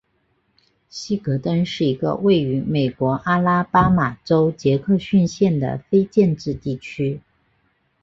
希格登是一个位于美国阿拉巴马州杰克逊县的非建制地区。